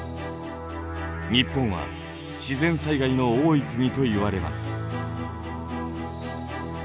日本は自然災害の多い国といわれます。